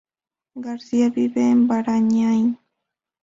García vive en Barañáin.